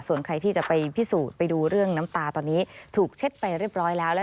ส่วนใครที่จะไปพิสูจน์ไปดูเรื่องน้ำตาตอนนี้ถูกเช็ดไปเรียบร้อยแล้ว